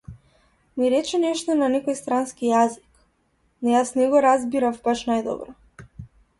Ми рече нешто на некој странски јазик, но јас не го разбирав баш најдобро.